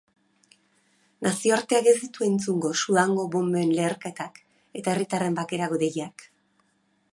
Nazioarteak ez ditu entzungo Sudango bonben leherketak eta herritarren bakerako deiak.